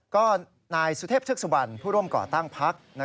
ก็นายสุเทพธึกสุบันผู้ร่วมก่อตั้งพัก